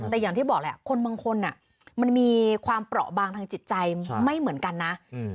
แต่อย่างที่บอกแหละคนบางคนมันมีความเปราะบางทางจิตใจไม่เหมือนกันนะ